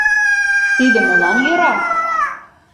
Тиде молан йӧра?